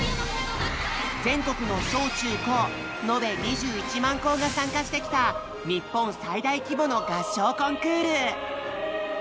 全国の小・中・高のべ２１万校が参加してきた日本最大規模の合唱コンクール！